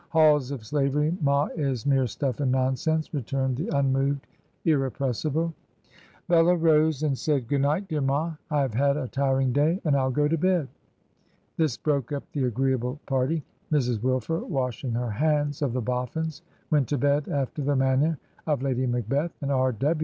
'Halls of slavery, ma, is mere stuff and nonsense,' returned the unmoved Irrepressible. ... Bella rose and said, ' Good night, dear ma. I have had a tiring day, and I'll go to bed.' This broke up the agreeable party. Mrs. Wilfer, washing her hands of the. Boffins, went to bed after the manner of Lady Macbeth; and R.